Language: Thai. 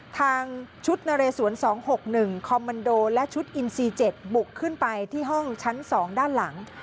ทางชุดนเรสวน๒๖๑คอมมันโดและชุดอินซี๗บุกขึ้นไปที่ห้องชั้น๒ด้านหลัง